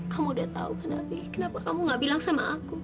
kamu sudah tahu kan abi kenapa kamu tidak bilang sama aku